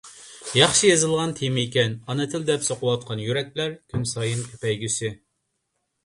ياخشى يېزىلغان تېمىكەن. «ئانا تىل» دەپ سوقۇۋاتقان يۈرەكلەر كۈنسايىن كۆپەيگۈسى!